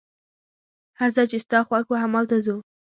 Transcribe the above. هر ځای چي ستا خوښ وو، همالته ځو.